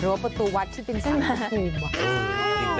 รวมประตูวัดที่เป็นสารพระภูมิว่ะ